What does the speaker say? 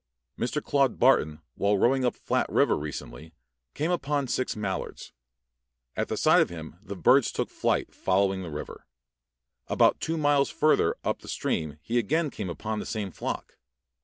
Mr. Claude Barton, while rowing up Flat river recently, came upon six mallards. At sight of him the birds took flight, following the river. About two miles further up the stream he again came upon the same flock.